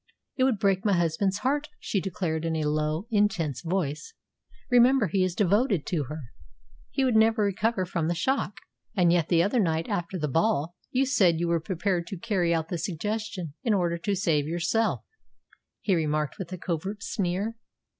"It would break my husband's heart," she declared in a low, intense voice. "Remember, he is devoted to her. He would never recover from the shock." "And yet the other night after the ball you said you were prepared to carry out the suggestion, in order to save yourself," he remarked with a covert sneer.